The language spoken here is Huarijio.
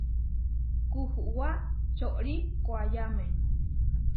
Kuhuwá čorí koayáme.